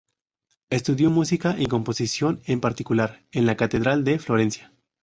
Estudió música y composición, en particular, en la catedral de Florencia.